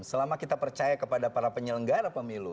selama kita percaya kepada para penyelenggara pemilu